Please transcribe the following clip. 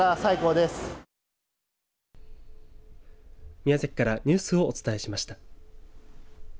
宮崎からニュースをお伝えしました。